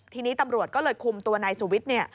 ทีนี้ตำรวจก็เลยคุมตัวนายสุวิทย์